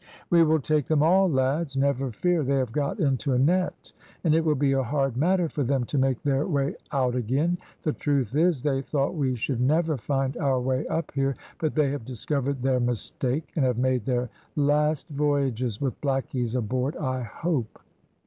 "We will take them all, lads, never fear. They have got into a net, and it will be a hard matter for them to make their way out again. The truth is, they thought we should never find our way up here; but they have discovered their mistake, and have made their last voyages with blackies aboard, I hope."